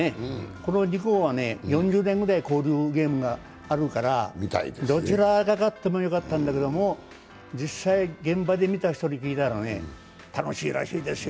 この２校は４０年ぐらい交流ゲームがあるからどちらが勝ってもよかったんだけども、実際現場で見た人に聞いたらね、楽しいらしいですよ。